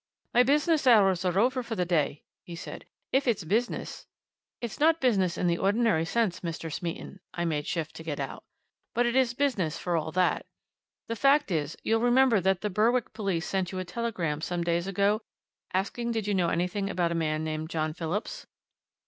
"My business hours are over for the day," he said. "If it's business " "It's not business in the ordinary sense, Mr. Smeaton," I made shift to get out. "But it is business for all that. The fact is you'll remember that the Berwick police sent you a telegram some days ago asking did you know anything about a man named John Phillips?"